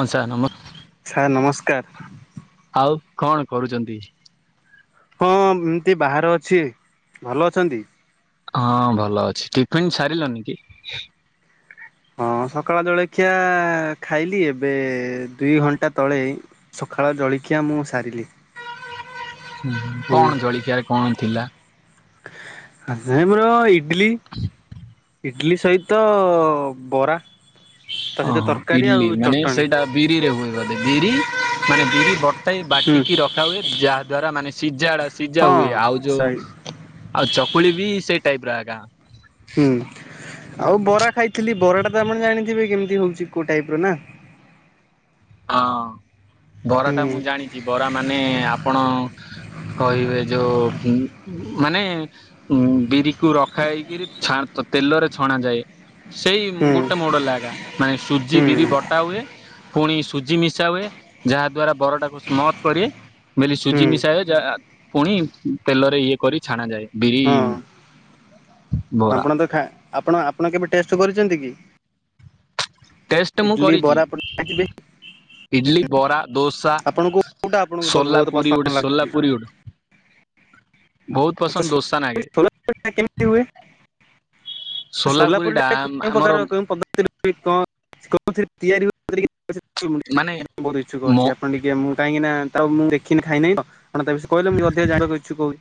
ପଞ୍ଚା ନମ ସାର୍ ନମସ୍କାର। ଆଉ କଣ କରୁଛନ୍ତି? ହଁ ଏମତି ବାହହାର ଅଛି ଭଲ ଅଛନ୍ତି। ହଁ ଭଲ ଅଛି ଟିଫିନ ସାରିଲନି କି? ହଁ ସକାଳ ଜଳଖିଆ ଖାଇଲି ଏବେ ଦୁଇ ଘଣ୍ଟା ତଳେ ସଖାଳ ଜଳଖିଆ ମୁଁ ସାରିଲି। ହୁଁ କଣ ଜଳିଖିଆରେ କଣ ଥିଲା? ଆମେ ଆମର ଇଡଲି ଇଡ଼ଲି ସହିତ ବରା ତା ସହିତ ଓହୋ ତରକାରୀ ଆଉ ଇଡଲି ମାନେ ଚଟଣି ସେଇଟା ବିରିରେ ହୁଏ ବଧେ ବିରି ମାନେ ବିରି ବଟେଇ ହୁଁ ବାଟିକି ରଖା ହୁଏ। ଯାହା ଦ୍ଵାରା ମାନେ ସିଜାଡା ସିଝା ହଁ ହୁଏ ଆଉ ଯୋଉ ସଇ ଆଉ ଚକୁଳି ବି ସେଇ ଟାଇପ ର ଆଗା ହୁଁ ଆଉ ବରା ଖାଇଥିଲି ବରା ଟା ତ ଆପଣ ଜାଣିଥିବେ କେମତି କେମିତି ହଉଛି କୋଉ ଟାଇପ ର ନା ହଁ ବରା ହୁଁ ଟା ମୁଁ ଜାଣିଛି। ବରା ମାନେ ଆପଣ କହିବେ ଯୋଉ ମାନେ ଉ ବିରି କୁ ରଖା ହେଇକିରି ଛା ତେଲରେ ଛଣା ଯାଏ। ସେଇ ହୁଁ ଗୋଟେ ମୋଡ ଲାଗା। ମାନେ ସୁଜି ହୁଁ ବିରି ବଟା ହୁଏ ପୁଣି ସୁଜି ମିଶା ହୁ। ଯାହା ଦ୍ଵାରା ବରଟାକୁ ସ୍ମଥ କରିଏ ବୋଲେ ହୁଁ ସୁଜି ମିଶାଯାଏ। ଯା ପୁଣି ତେଲରେ ଇଏ କରି ଛଣା ଯାଏ ବିରି ହଁ ହ ଆପଣ ତ ଖା ଆପଣ ଆପଣ କେବେ ଟେଷ୍ଟ କରିଛନ୍ତି କି? ଟେଷ୍ଟ ମୁଁ ଇଡଲି କରିଛି ବରା ଖାଇଥିବେ ଇଡଲି ବରା ଦୋସା ଆପଣଙ୍କୁ କୋଉଟା ଆପଣଙ୍କୁ ବ ବହୁତ ସୋଲାପୁରୀ ପସନ୍ଦ ଗୋଟେ ଲାଗେ? ସୋଲାପୁରୀ ଗୋଟେ ବହୁତ ଆଛା ପସନ୍ଦ ଦୋସା ନାଗେ ଛୋଲା ପୁରୀ କେମିତି ହୁଏ? ସୋଲା ପୁରୀ ସୋଲାପୁରି ଟା କେଉଁ ଆମର ପ୍ରକାର କେଉଁ ପଦ୍ଧତିରେ [unintelligible] କେଉଁଥିରେ ତିଆରି ହୁଏ ମତେ ଟିକେ ସେଥିପାଇଁ ମୁ ମାନେ ଟିକେ [unintelligible] ବହୁତ ଇଚ୍ଛୁକ ମୋ ଅଛି। ଆପଣ ଟିକେ ମୁଁ କାହିଁକି ନା ତ ମୁଁ ଦେଖିନି ଖାଇନାହିଁ ତ ଆପଣ ତା ବିିସ କହିଲେ ମୁଁ ଅଧିକା ଜାଣିବାକୁ ଇଛୁକ ହୋଉଛି।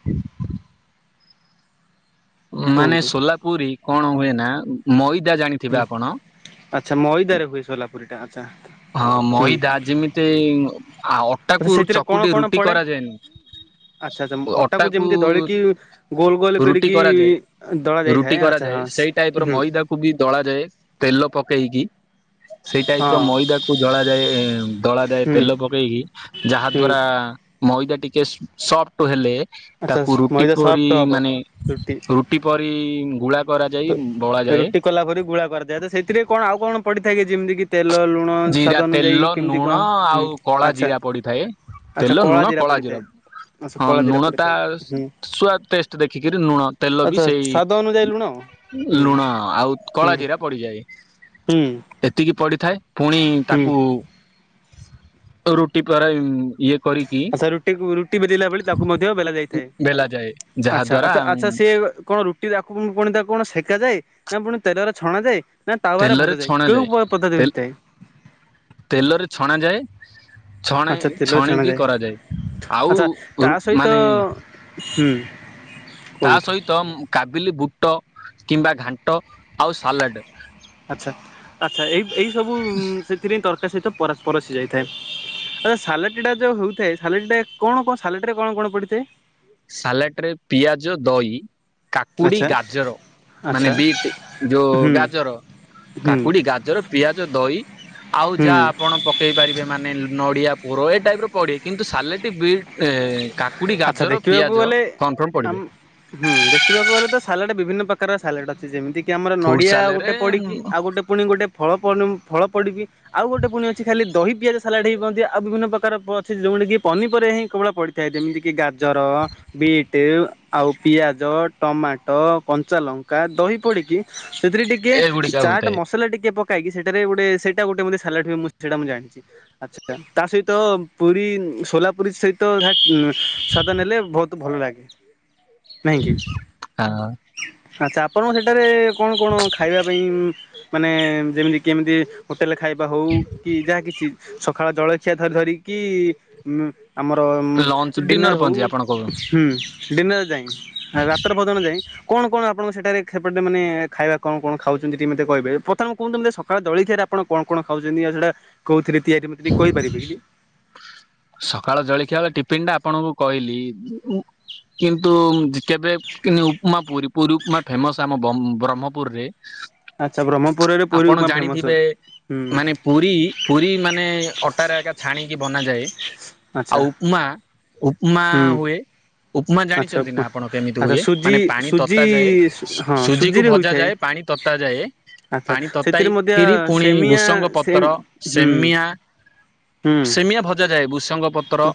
ମାନେ କୁହନ୍ତୁ ସୋଲାପୁରୀ କଣ ହୁଏ ନା ମଇ ହୁଁ ଆଚ୍ଛା ମଇଦାରେ ହୁଏ ସୋଲାପୁରୀ ଟା ଆଚ୍ଛା। ହଁ ହୁଁ ମଇଦା ଯେମିତି ଆ ଆଚ୍ଛା ଅଟାକୁ ସେଥିରେ କଣ ଚକୁଟି କଣ ରୁଟି ପଡେ? କରାଯାଏନି ଆଚ୍ଛା ଆଛା ଅମ୍ ଅଟାକୁ ଯେମିତି ଦଳିକି ଗୋଲ ଗୋଲ ରୁଟି କରିକି କରାଯାଏ। ଦଳା ରୁଟି ଯାଇଥାଏ ଆଛା। କରାଯାଏ ସେଇ ଟାଇପ ର ମଇଦା କୁ ବି ଦଳା ଯାଏ ତେଲ ପକେଇକି ସେଇ ଟାଇପ ର ହଁ ମଇଦାକୁ ଜଳାଯାଏ ଏମ୍ ଦଳାଯାଏ ହୁଁ ତେଲ ପକେଇକି ଯାହା ହୁଁ। ଦ୍ୱାରା ମଇଦା ଟିକେ ସଫ୍ଟ ହେଲେ ଆଚ୍ଛା ତାକୁ ରୁଟି ମଇଦା ପରି ସଫ୍ଟ ହବ ମାନେ ରୁଟି ପରି ଗୁଳା କରାଯାଇ ତ ବଳାଯାଏ। ରୁଟି କଲାପରି ଗୁଳା କରାଯାଏ ତ ସେଥିରେ କଣ ଆଉ କଣ ପଡିଥାଏ କି ଯେମିତି କି ତେ? ଜିରା ତେଲ ଲୁଣ ହୁଁ ଆଉ କଳା ଆଚ୍ଛା ଜିରା ପଡିଥାଏ ଆଚ୍ଛା ତେଲ କଳା ଲୁଣ ଜିରା କଳାଜିର ପଡିଥାଏ। ଆଚ୍ଛା ହଁ କଳା ଜିରା ଲୁଣ ତା ପଡିଥାଏ ହୁଁ ସୁଆଦ ଟେଷ୍ଟ ଦେଖିକିରି ଲୁଣ ତେଲ ବି ଆଚ୍ଛା ସେଇ ସ୍ଵାଦ ଅନୁଯାୟୀ ଲୁଣ ହୁଁ ଲୁଣ ଆଉ କଳା ହୁଁ ଜିରା ପଡିଯାଏ। ହୁଁ ଏତିକି ପଡିଥାଏ। ପୁଣି ହୁଁ ତାକୁ ରୁଟି ପରେ ଇଏ କରିକି ଆଛା ରୁଟି କୁ ରୁଟି ବେଲିଲା ଭଳି ତାକୁ ମଧ୍ୟ ବେଲା ଯାଇଥାଏ। ବେଲା ଯାଏ ଯାହା ଆଚ୍ଛା ଦ୍ଵାରା ଆଚ୍ଛା ସିଏ କଣ ରୁଟି ତାକୁ ପୁଣି ତାକୁ କଣ ସେକାଯାଏ ନା ପୁଣି ତେଲରେ ଛଣା ଯାଏ? ତେଲରେ ଛଣା ଯାଏ। ତେଲ୍ ତେଲରେ ଛଣା ଯାଏ ଛଣୀ ଆଚ୍ଛା ତେଲରେ ଛଣିକି ଛଣାଯାଏ। କରାଯାଏ ଆଉ ଆଚ୍ଛା ତା ଗୃ ସହିତ ମାନେ ହୁଁ ତା କୁହନ୍ତୁ ସହିତ କାବିଲି ବୁଟ କିମ୍ବା ଘାଣ୍ଟ ଆଉ ସାଲାଡ ଆଚ୍ଛା ଆଚ୍ଛା ଏଇ ଏଇ ସବୁ ସେଥିରେ ତରକାର ସହିତ ପରସ୍ପର ସିଯା ଯାଇଥାଏ। ଆ ସାଲାଟି ଟା ଯୋଉ ହଉଥାଏ ସାଲାଟି ଟା କଣ କଣ ସାଲଟିରେ କଣ କଣ ପଡିଥାଏ? ସାଲାଟ ରେ ପିଆଜ, ଦହି କାକୁଡ଼ି, ଆଚ୍ଛା ଗାଜର ମାନେ ଆଚ୍ଛା ବିଟ ଯୋଉ ହୁଁ ଗାଜର ହୁଁ କାକୁଡି, ଗାଜର, ପିଆଜ, ଦହି ଆଉ ଯାହା ହୁଁ। ଆପଣ ପକେଇ ପାରିବେ ମାନେ ନଡ଼ିଆ ପୂର ଏ ଟାଇପ୍ ର ପଡ଼େ କିନ୍ତୁ ସାଲେଟି ବି ଆଚ୍ଛା ଦେଖିବାକୁ ଗଲେ ଆମ୍ ହୁଁ ଦେଖିବାକୁ ଗଲେ ତ ସାଲା ଡେ ବିଭିନ୍ନ ପ୍ରକାର ସାଲେଡ୍‌ ଅଛି। ଯେମିତିକି ଆମର ଫୁଡ ନଡ଼ିଆ ସାଲାରେ ଗୋଟେ ପଡିକି, ଆଉ ଗୋଟେ ପୁଣି ଗୋଟେ ଫଳ ଫଳ ପଡ଼ିକି ଆଉ ଗୋଟେ ପୁଣି ଅଛି ଖାଲି ଦହି, ପିଆଜ ସାଲାଡ଼ ହେଇପନ୍ତି। ଆଉ ବିଭିନ୍ନ ପ୍ରକାର ଅଛି ଯେଉଁ ଯଉଟା କି ପନିପାରିବା ହିଁ କେବଳ ପଡ଼ିଥାଏ। ଯେମିତିକି ଗାଜର, ବିଟି ଆଉ ପିଆଜ, ଟମାଟୋ, କଞ୍ଚାଲଙ୍କା ଦ ଦହି ପଡ଼ିକି ସେଥିରେ ଟିକେ ଏଗୁଡିକା ଚାଟେ ହୋଇଥାଏ ମସଲା ଟିକେ ପ କାଇକି ସେଟାରେ ଗୋଟେ ସେଇଟା ଗୋଟେ ମଧ୍ୟ ସାଲାଟେ ହୁଏ। ମୁ ସେଟା ମୁଁ ଜାଣିଛି ଆଚ୍ଛା। ତା ସହିତ ପୁରୀ ସୋଲାପୁରୀ ସହିତ ସ୍ୱାଦ ନେଲେ ବହୁତୁ ଭଲ ଲାଗେ। ନାଇଁ କି? ଆଁ। ଆଚ୍ଛା ଆପଣଙ୍କ ସେଠାରେ କ'ଣ କ'ଣ ଖାଇବା ପାଇଁ ମାନେ ଯେମିତି କେମିତି ହୋଟେଲ୍ ରେ ଖାଇବା ହଉ, କି ଯାହା କିଛି ସକାଳ ଜଳଖିଆ ଧର୍ ଧରିିକି କି ଉଁ। ଆମର ଉଁ ଲଞ୍ଚ ଡିନର ହଉ ପହଞ୍ଚି ଆପଣ କହୁ ହୁଁ ଡିନର ଯାଏଁ। ରାତ୍ର ଭୋଜନ ଯାଏଁ କଣ କଣ ଆପଣ ସେଠାରେ ରେ ସେପଟେ ମାନେ ଖାଇବା କଣ କଣ ଖାଉଚନ୍ତି? ଟିକେ ମତେ କହିବେ। ପ୍ରଥମେ କୁହନ୍ତୁ ମାନେ ସକାଳ ଜଳ ଜଳିଖିଆ ରେ ଆପଣ କ'ଣ କ'ଣ ଖାଉଛନ୍ତି? ଆଉ ସେଟା କଉଥିରେ ତିଆରି, ମତେ ଟିକେ କହିପାରିବେ କି? ସକାଳ ଜଳଖିଆ ବେଳେ ଟିପିନ୍‌ ଟା ଆପଣଙ୍କୁ କହିଲି। କିନ୍ତୁ କେବେ କିନ୍ତୁ ଉପମା ପୁରି, ପୁରି ଉପମା ଫେମସ୍ ଆମ ବମ ବ୍ରହ୍ମପୁରରେ ଆଚ୍ଛା ବ୍ର ଆପଣ ଜାଣିଥିବେ ମାନେ ପୁରୀ, ପୁରୀ ମାନେ ଅଟାରେ ଆକା ଛାଣି କି ବନାଯାଏ। ଆଉ ଆଚ୍ଛା ଉପ୍ମା, ଉପ୍ମା ହୁଁ। ହୁଏ। ଉପମା ଆଚ୍ଛା ଜାଣିଛନ୍ତି ନା ଉପମା ଆପଣ କେମିତି ଆଚ୍ଛା ହୁଏ? ସୁଜି ମାନେ ପାଣି ସୁଜି ତତା ଯାଏ, ହଁ ସୁଜିକୁ ସୁଜିରେ ଭଜା ହୋଇଥାଏ। ଯାଏ, ପାଣି ତତା ଯାଏ। ଆଚ୍ଛା ପାଣି ସେଥିରେ ମଧ୍ୟ ତତାଇକିରି ପୁଣି ସେମିଆ ଭୁଷଙ୍ଗ ପତ୍ର, ସେମିଆଁ ଉଁ। ଭଜା ଯାଏ। ଭୁଷଙ୍ଗ ପତ୍ର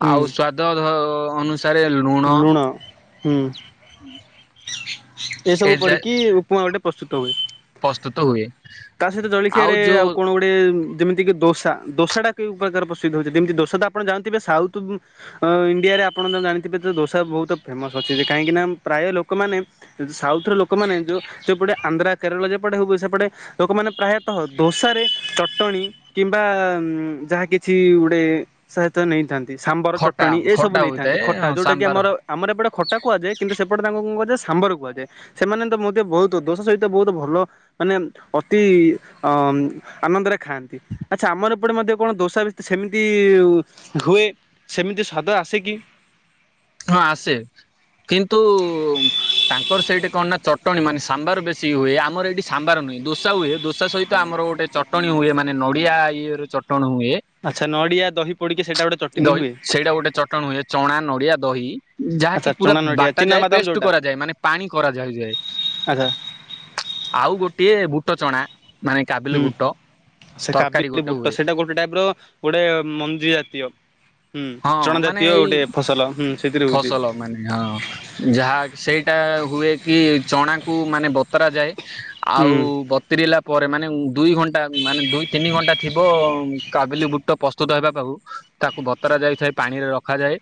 ହୁଁ ଆଉ ସ୍ଵାଦ ଧ ଅନୁସାରେ ଲୁଣ। ହୁଁ ଏସବୁ ଏଯାଏ ପଡିକି ଉପମା ଗୋଟେ ପ୍ରସ୍ତୁତ୍ ତା ପ୍ରସ୍ତୁତ ହୁଏ ସହିତ ଜଳିଖିଆ ରେ ଆଉ କଣ ଗୋଟେ ଯେମିତିକି ଦୋସା ଦୋସାଟା କେଉଁ ପ୍ରକାର ପ୍ରସ୍ତୁତ ହଉଛି। ଯେମିତି ଦୋସା ତ ଆପଣ ଜାଣିଥିବେ ସାଉଥୁ ଇଣ୍ଡିଆ ଆପଣ ତ ଜାଣିଥିବେ ଯେ ଦୋସା ବହୁତ ଫେମସ୍ ଅଛି। କାହିଁକି ନା ପ୍ରାୟ ଲୋ ଲୋକମାନେ ସାଉଥ ର ଲୋକମାନେ ଯଉ ସେପଟେ ଆନ୍ଧ୍ରା, କେରଳ ଯେପଟେ ହଉ ସେପଟେ ଲୋକମାନେ ପ୍ରା ତ ଦୋସାରେ ଚଟଣି କିମ୍ବା ଯାହା କିଛି ଗୋଟେ ସହିତ ନେଇଥା ସାମ୍ବର ଖଟା ଚଟଣୀ ଏସବୁ ଖଟା ନେଇଥାନ୍ତି, ହୋଇଥାଏ ଖଟା ହଁ ଯଉଟା କି ସାମ୍ବାର ଆମର ଆମର ଏପଟେ ଖଟା କୁହାଯାଏ। କିନ୍ତୁ ସେପଟେ ତାଙ୍କୁ କଣ ସାମ୍ବର କୁହାଯାଏ। ସେମାନ ତ ମଧ୍ୟ ବହୁତୁ ଦୋସା ସହିତ ବହୁତ ଭଲ ମାନେ ଅତି ହଁ ଆନନ୍ଦରେ ଖାଆନ୍ତି। ଆଚ୍ଛା ଆମର ଏପଟେ ମଧ୍ୟ କଣ ଦୋସା ବି ସେମିତି ହୁଏ ସେମିତି ସ୍ୱାଦ ଆସେ କି? ହଁ ଆସେ କିନ୍ତୁ ତାଙ୍କର ସେଇଠି କଣ ନା ଚଟଣୀ, ମାନେ ସାମ୍ବର ବେଶୀ ହୁଏ। ଆମର ଏଇଠି ସାମ୍ବାର ନୁହେଁ ଦୋସା ହୁଏ। ଦୋସା ସହିତ ଆମର ଗୋଟେ ଚଟଣୀ ହୁଏ। ମାନେ ନଡ଼ିଆ ଇଏ ରେ ଚ ଆଚ୍ଛା ନଡ଼ିଆ, ଦହି ପଡିକି ସେଇଟା ଗୋଟେ ଚଟଣି ଦହି ହୁଏ। ସେଇଟା ଗୋଟେ ଚଟଣ ହୁଏ। ଚଣା, ନଡିଆ, ଦହି ଆଚ୍ଛା ଯାହାକି ପୁରା ଚଣା ନଡ଼ିଆ ବାଟା ଚିନା ଯାଏ ବାଦାମ ପେଷ୍ଟେ ଯୋଉଟା କରାଯାଏ, ମାନେ ପାଣି କରାଯାଏ ଯାଏ। ଆଚ୍ଛା। ଆଉ ଗୋଟିଏ ବୁଟ, ଚଣା ମାନେ କାବିଲି ହୁଁ ବୁଟ। ସେ ତରକାରୀ କାବିଲି ଗୋଟେ ବୁଟ, ହୁଏ ସେଇଟା ଗୋଟେ ଟାଇପ ର ଗୋଟେ ମଞ୍ଜି ଜାତୀୟ ହୁଁ ହଁ! ଚଣା ମାନେ ଜାତୀୟ ଏଇ ଗୋଟେ ଫସଲ ହୁଁ ସେଥିରେ ହଉଛି। ଫସଲ ମାନେ ହଁ! ଯାହା ସେଇଟା ହୁଏ କି, ଚଣାକୁ ମାନେ ବତରାଯାଏ, ଆଉ ହୁଁ ବତରିଲା ପରେ, ମାନେ ଉ ଦୁଇ ଘଣ୍ଟା ମାନେ, ଦୁଇ ତିନି ଘଣ୍ଟା ଥିବ, କାବିଲି ବୁଟ ପ୍ରସ୍ତୁତ ହେବା ପାଉ। ତାକୁ ବତ ବତରା ଯାଇଥାଏ, ପାଣି ରେ ରଖାଯାଏ,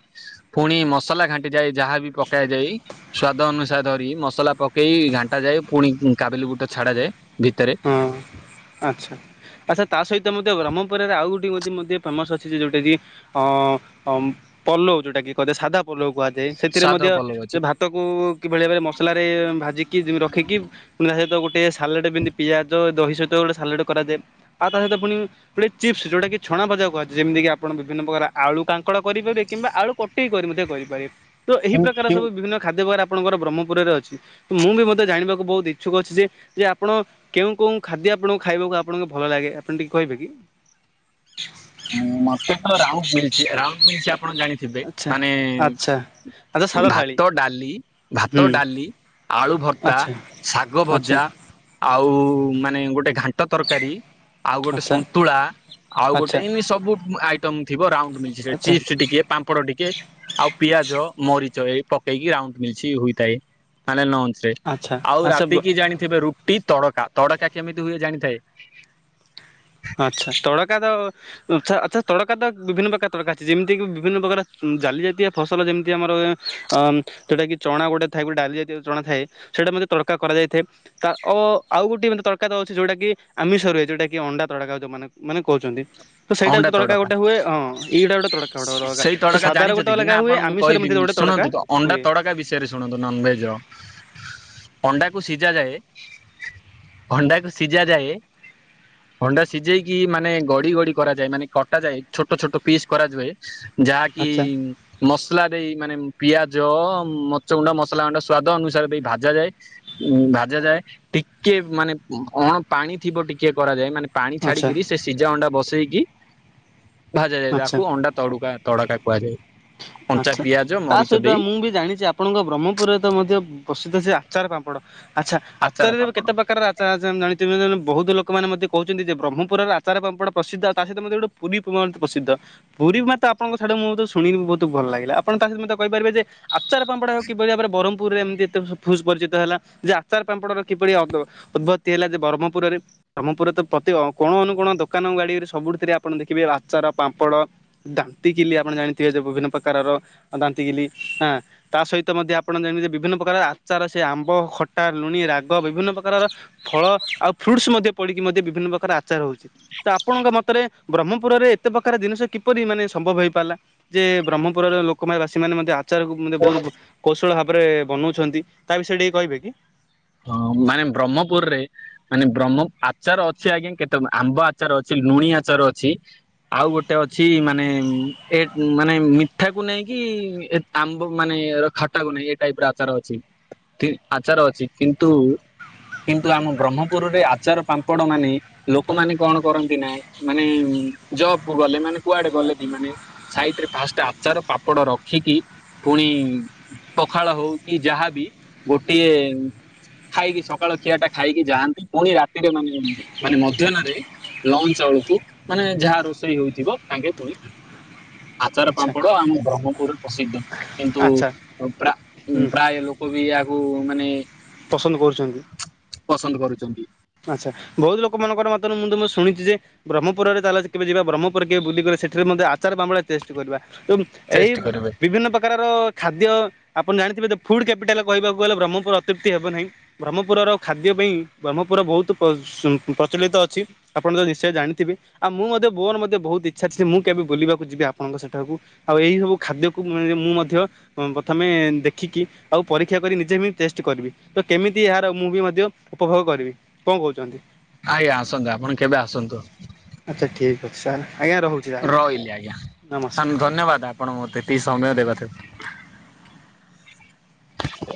ପୁଣି ମସଲା ଘାଣ୍ଟିଯାଏ, ଯାହା ବି ପକାଇ ଯାଇ, ସ୍ଵାଦ ଅନୁ ଅନସା ଧରି ମସଲା ପକେଇ, ଘାଣ୍ଟାଯାଏ। ପୁଣି କାବିଲି ବୁଟ ଛାଡାଯାଏ। ଭିତରେ ହଁ, ଆଚ୍ଛା, ଆଚ୍ଛା। ତା ସହିତ, ମଧ୍ୟ ବ୍ରହ୍ମପୁରରେ ଆଉ ଗୋଟେ ତିଇ ମୋଦି ଏ ଫେମସ୍ ଅଛି, ଯେ ଯୋଉଟା କି ଅ ପଲଉ, ଯୋଉଟା କି କରେ ସାଧା ପଲଉ କୁହାଯାଏ। ସେଥିରେ ସ୍ୱାଦ ମଧ୍ୟ ଭଲ ଅଛି ଭାତକୁ କିଭଳି ଭାବରେ ମସଲାରେ ଭାଜିକି ରଖିକି, ପୁଣି ତା ସହିତ ଗୋଟେ ସାଲାଡ଼ ପିଆଜ, ଦହି ସହିତ ଗୋଟେ ସାଲଡ କରାଯାଏ। ଆଉ ତା ସହିତ ପୁଣି ଗୋଟେ ଚିପ୍ସ, ଯୋଉଟାକି ଛଣାଭଜା କୁହାଯାଏ, ଯେମିତି ଆପଣ ବିଭିନ୍ନ ପ୍ରକାର ଆଳୁ କାଙ୍କଡ଼ କରିପାରିବେ, କିମ୍ବା ଆଳୁ କଟେଇ କରି ମଧ୍ୟ କରିପାରିବେ। ତ, ଏହି ପ୍ରକାର ସବୁ ବିଭିନ୍ନ ଖାଦ୍ୟ ଆପଣଙ୍କର ବ୍ରହ୍ମପୁରରେ ଅଛି। ମୁଁ ବି ମଧ୍ୟ ଜାଣିବାକୁ ବହୁତ ଇଚ୍ଛୁକ ଅଛି, ଯେ, ଯେ ଆପଣ କେଉଁ କଉଁ ଖାଦ୍ୟ ଆପଣଙ୍କୁ ଖାଇବାକୁ ଆପଣଙ୍କୁ ଭଲ ଲାଗେ, ଆପଣ ଟିକେ କହିବେ କି? ମତେ ତ ରାଉଣ୍ଡ ମିଳିଛି, ରାଉଣ୍ଡ ମିଳିଛି, ଆପଣ ଜାଣିଥିବେ, ଆଚ୍ଛା ମାନେ ଆଚ୍ଛା ଆଚ୍ଛା ସାଧା ଥାଳି ଭାତ-ଡାଲି, ହୁଁ ଭାତ-ଡାଲି ଆଳୁ ଭର୍ତ୍ତା, ଆଚ୍ଛା ଶାଗ ଆଚ୍ଛା ଭଜା, ଆଉ ମାନେ, ଗୋଟେ ଘାଣ୍ଟ ତରକାରୀ, ଆଉ ଗୋଟେ ଆଚ୍ଛା ସନ୍ତୁଳା, ଆଉ ଗୋଟେ ଆଚ୍ଛା ଏମିତି ସବୁ ଆଇ ଥିବ। ରାଉଣ୍ଡ ମିଳିଛି ଆଚ୍ଛା ଚିପ୍ସ ଟିକେ, ପାମ୍ପଡ଼ ଟିକେ, ଆଉ ପିଆଜ, ମରିଚ ଚ ଏଇ ପକେଇକି ରାଉଣ୍ଡ ମିଛି ହୋଇଥାଏ ମାନେ ନ ସେ ଆଚ୍ଛା ଆଉ, ରାତି ଆଚ୍ଛା କିି ଜାଣିଥିବେ, ରୁଟି। ତଡକା, ତଡକା କେମିତି ହୁଏ, ଜାଣିଥାଏ। ଆଛା, ତଡକା ତ ଆଛା, ଆଛା। ତଡକା ତ, ବିଭିନ୍ନ ପ୍ରକାର ତଡକା ଅଛି, ଯେମିତିକି, ବିଭିନ୍ନ ପ୍ରକାର ଜାଲି ଜାତୀୟ ଫସଲ, ଯେମିତି ଆମର ଅ ଯଉଟା କି, ଚଣା ଗୋଟେ ଥାଏ। ଗୋଟେ ଡାଲି ଜାତୀୟ ଚଣା ଥାଏ। ସେଇଟା ମଧ୍ୟ, ତଡକା କରାଯାଇଥାଏ। ତା ଓ, ଆଉ ଗୋଟେ ମାନେ, ତଡକା ତ ଅଛି, ଯୋଉଟା କି ଆମିଷରେ, ଯୋଉଟା କି ଅଣ୍ଡା ତଡକା। ଯଉମାନେ ମାନେ କରୁଛନ୍ତି। ତ, ସେଇଟା ତଡକା ଗୋଟେ ହୁଏ। ହଁ, ଏଇଟା ଗୋଟେ ତଡକା ଗୋଟେ ଅଲଗା। ସେଇ ତଡକା ସାଧା ରେ ଗୋଟେ ଜାଣିଛନ୍ତି କି ନା ଅଲଗା ହୁଏ, ଆପଣଙ୍କୁ ଆମିଷରେ କହିବି ମଧ୍ୟ୍ୟ ମୁଁ ଶୁଣନ୍ତୁ, ତ ଅଣ୍ଡା ତଡକା ବିଷୟରେ ଶୁଣନ୍ତୁ। ନନଭେଜ ର ଅଣ୍ଡା କୁ ସିଝାଯାଏ। ଅଣ୍ଡାକୁ ସିଝାଯାଏ। ଅଣ୍ଡା ସିଝେଇକି, ମାନେ ଗଡି ଗଡି କରାଯାଏ, ମାନେ କଟାଯାଏ, ଛୋଟ ଛୋଟ ପିସ୍ କରାଯାଏ। ଯାହାକି ଆଚ୍ଛା ମସଲା ଦେଇ, ମାନେ ପିଆ ଜ, ମରିଚ ଗୁଣ୍ଡ, ମସଲା ଗୁଣ୍ଡ, ସ୍ଵାଦ ଅନୁସାରେ ଦେଇ ଭାଜାଯାଏ ଉ- ଭାଜାଯାଏ। ଟିକେ, ମାନେ ଅଣ ପାଣି ଥିବ, ଟିକେ କରାଯାଏ, ମାନେ ପାଣି ଆଚ୍ଛା ଛାଡିକିରି, ସେ ସିଝା ଅଣ୍ଡା ବସ ଟି ଭାଜାଯାଏ। ଆଚ୍ଛା ତାକୁ ଅଣ୍ଡା ତଡୁକା ତଡକା କୁହାଯାଏ। କଞ୍ଚା ଆଛା, ପିଆଜ ତା ମରିଚ ସହିତ ଦେଇ ମୁଁ ବି ଜାଣିଛି, ଆପଣଙ୍କ ବ୍ରହ୍ମପୁରରେ ତ ମଧ୍ୟ ପ୍ରସିଦ୍ଧ ସେ ଆଚାର ପାମ୍ପଡ। ଆଚ୍ଛା, ଆଚାର ଆଚାରରେ ପାପଡ଼ କେତେ ପ୍ରକାର ଆଚାର ଆ ଜାଣି ବହୁତ ଲୋକମାନେ ମୋତେ କହୁଛନ୍ତି ଯେ ବ୍ରହ୍ମପୁରର ଆଚାର ପାପଡ଼ ପ୍ରସିଦ୍ଧ। ଆଉ ତା ସହିତ ମଧ୍ୟ ଗୋଟେ ପୁନିପୁଅଧ୍ୟ ପ୍ରସିଦ୍ଧ। ପୁରୀ ମତେ, ଆପଣଙ୍କ ସାଡେ ମୁଁ ତ ଶୁଣିନି ବହୁତ। ତୁ ଭଲ ଲାଗିଲା। ଆପଣ ତା ସହିତେ କହିପାରିବେ ଯେ, ଆଚାର ପାପଡ଼ କିପରି ଭାବରେ ବର ପୁରୀରେ ଏମତି ଏତେ ଫୁସ ପରିଚିତ ହେଲା। ଯେ ଆଚାର, ପାମ୍ପଡର କିପରି ଅଦ ଉଦ୍ଭତ୍ତି ହେଲା, ଯେ ବ୍ରହ୍ମପୁରରେ ବ୍ରହ୍ମପୁରରେ ତ ପ୍ରତି ଅ କୋଣ-ଅନୁକୋଣ, ଦୋକାନ, ଗାଡିରେ, ସବୁଠିଥିରେ ଆପଣ ଦେଖିବେ ଆଚାର, ପାମ୍ପଡ। ଦାନ୍ତିକିଲି, ଆପଣ ଜାଣିଥିବେ ଯେ, ବିଭିନ୍ନ ପ୍ରକାରର ଦାନ୍ତିିକିଲି। ହଁ, ତା ସହିତ ମଧ୍ୟ ଆପଣ ଜାଣିଥିବେ, ବିଭିନ୍ନ ପ୍ରକାର ଆଚାର-ସେ ଆମ୍ବ ଖଟା, ଲୁଣି, ରାଗ-ବିଭିନ୍ନ ପ୍ରକାରର ଫଳ ଆଉ ଫ୍ରୁଟସ ମଧ୍ୟ ପଡିକି, ମଧ୍ୟ ବିଭିନ୍ନ ପ୍ରକାର ଆଚାର ହଉଛି। ତ, ଆପଣଙ୍କ ମତରେ ବ୍ରହ୍ମପୁରରେ ଏତେ ପ୍ରକାର ଜିନିଷ କିପରି, ମାନେ, ସମ୍ଭବ ହେଇପାରିଲା ଯେ ବ୍ରହ୍ମପୁରର ଲୋକ ବାସୀ ମେ ମଧ୍ୟ ଆଚାର କୁ ବହୁତ କୌଶଳ ଭାବ ପ୍ରେ ବନଉଛନ୍ତି ତା ବିଷୟରେ ଟିକେ କହିବେ କି। ହଁ ମାନେ ବ୍ରହ୍ମପୁରରେ ମାନେ ବ୍ରହ୍ମ ଆଚାର ଅଛି ଆଜ୍ଞା କେତେ ଆମ୍ବ ଆଚାର ଅଛି ଲୁଣି ଆଚାର ଅଛି ଆଉ ଗୋଟେ ଅଛି ମାନେ ଏ ମାନେ ମିଠାକୁ ନେଇକି ଏ ଆମ୍ବ ମାନେ ଖଟାକୁ ନେଇଁ ଏ ଟାଇପ ର ଆଚାର ଅଛି। ଆଚାର ଅଛି କିନ୍ତୁ କିନ୍ତୁ ଆମ ବ୍ରହ୍ମପୁରରେ ଆଚାର ପାମ୍ପଡ ମାନେ ଲୋକମାନେ କଣ କରନ୍ତି ନା ମାନେ ଜବ କୁ ଗଲେ ମାନେ କୁଆଡେ ଗଲେ ବି ମାନେ ସାଇଟ ରେ ଫାଷ୍ଟ ଆଚାର ପମ୍ପଡ଼ ରଖିକି ପୁଣି ପଖାଳ ହଉ କି ଯାହାବି ଗୋଟିଏ ଖାଇକି ସକାଳ ଖିଆ ଟା ଖାଇକି ଯାଆନ୍ତି ପୁଣି ରାତିରେ ମାନେ ମାନେ ମଧ୍ୟାନରେ ଲ ଞ୍ଚ ବେଳକୁ ମାନେ ଯାହା ରୋଷେଇ ହୋଇଥିବ ତାଙ୍କେ ପୁଣି ଆଚାର ଆଚ୍ଛା ପାମ୍ପଡ଼ ଆମ ବ୍ରହ୍ମପୁରରେ ପ୍ରସିଦ୍ଧ। କିନ୍ତୁ ଆଚ୍ଛା ହୁଁ ପ୍ରାୟ ଲୋକ ବି ଏହାକୁ ମାନେ ପସନ୍ଦ କରୁଚନ୍ତି। ପସନ୍ଦ କରୁଛନ୍ତି। ଆଚ୍ଛା ବହୁତ ଲୋକ ମାଙ୍କର ମତରୁ ମୁଁ ତ ମୁଁ ଶୁଣିଚି ଯେ ବ୍ରହ୍ମପୁରରେ ତାଲା କେବେ ଯିବା ବ୍ରହ୍ମପୁରରେ କେବେ ବୁଲିବା। ସେଠାରେ ମଧ୍ୟ ଆଚାର ପାମ୍ପଡ ଟେଷ୍ଟ କରିବା ତ ଏଇ ଟେଷ୍ଟ କରିବେ ବିଭିନ୍ନ ପ୍ରକାରର ଖାଦ୍ୟ ଆପଣ ଜାଣିଥିବେ ଯେ ଫୁଡ୍ କ୍ୟାପିଟାଲ କହିବାକୁ ଗଲେ ବ୍ରହ୍ମପୁର ଅତ୍ୟୁ୍ତି ହେବ ନାହିଁ ବ୍ରହ୍ମପୁରର ଖାଦ୍ୟ ପାଇଁ ବ୍ରହ୍ମ ପୁର ବହୁତ ପ୍ର ପ୍ରଚଳିତ ଅଛି ଆପଣ ତ ନିଶ୍ଚୟ ଜାଣିଥିବେ ଆଉ ମୁଁ ମଧ୍ୟ ମୋର ମଧ୍ୟ ବହୁତ ଇଚ୍ଛା ମୁଁ କେବେ ବୁଲିବାକୁ ଯିବି ଆପଣଙ୍କ ସେଠାକୁ ଆଉ ଏଇ ହବୁ ଖାଦ୍ୟକୁ ମୁଁ ମଧ୍ୟ ପ୍ରଥମେ ଦେଖିକି ଆଉ ପରୀକ୍ଷା କରି ନିଜେ ବି ଟେଷ୍ଟ କରିବି ତ କେମିତି ଏହାର ମୁଁ ବି ମଧ୍ୟ ଉପଭୋଗ କରିବି। କଣ କହୁଚନ୍ତି? ଆଜ୍ଞା ଆସନ୍ତୁ ଆପଣ କେବେ ଆସନ୍ତୁ। ଆଚ୍ଛା ଠିକ୍ ଅଛି ସାର୍ ଆଜ୍ଞା ରହୁଛି ତାହେଲେ। ରହିଲି ଆଜ୍ଞା ନମସ୍କାର। ଧନ୍ୟବାଦ ଆପଣ ମତେ ଏତିକି ସମୟ ଦେବା [inaudible]